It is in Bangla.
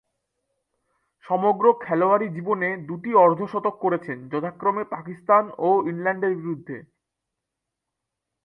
সমগ্র খেলোয়াড়ী জীবনে দু'টি অর্ধ-শতক করেছেন যথাক্রমে পাকিস্তান ও ইংল্যান্ডের বিপক্ষে।